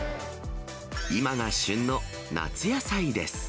今が旬の夏野菜です。